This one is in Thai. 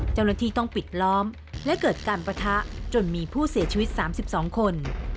เจ้าหน้าที่ต้องปิดล้อมและเกิดการปะทะจนมีผู้เสียชีวิต๓๒คน